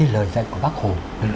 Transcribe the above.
lời dạy của bác hồ